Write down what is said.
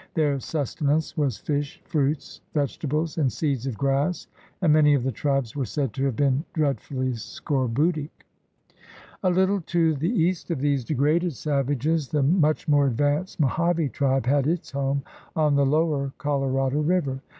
Their sustenance was fish, fruits, vege tables, and seeds of grass, and many of the tribes were said to have been dreadfully scorbutic." 140 THE RED MAN'S CONTINENT A little to the east of these degraded savages the much more advanced Mohave tribe had its home on the lower Colorado River.